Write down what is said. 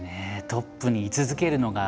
トップに居続けるのが。